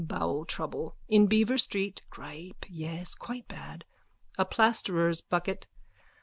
Bowel trouble. In Beaver street. Gripe, yes. Quite bad. A plasterer's bucket.